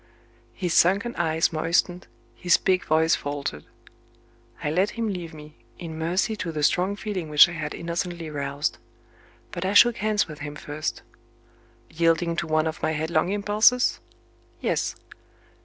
His sunken eyes moistened, his big voice faltered. I let him leave me, in mercy to the strong feeling which I had innocently roused. But I shook hands with him first. Yielding to one of my headlong impulses? Yes.